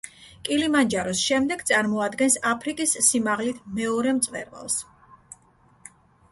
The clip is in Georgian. კილიმანჯაროს შემდეგ წარმოადგენს აფრიკის სიმაღლით მეორე მწვერვალს.